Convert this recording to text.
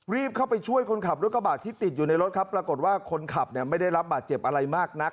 รีบเข้าไปช่วยคนขับรถกระบาดที่ติดอยู่ในรถครับปรากฏว่าคนขับไม่ได้รับบาดเจ็บอะไรมากนัก